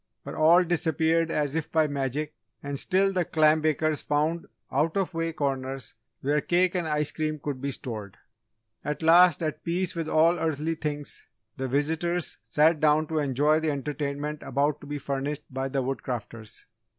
But all disappeared as if by magic and still the clam bakers found out of way corners where cake and ice cream could be stored! At last, at peace with all earthly things, the visitors sat down to enjoy the entertainment about to be furnished by the Woodcrafters.